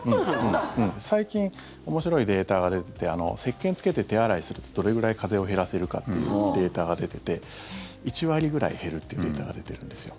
最近面白いデータが出ててせっけんつけて手洗いするとどれぐらい風邪を減らせるかっていうデータが出てて１割ぐらい減るっていうデータが出てるんですよ。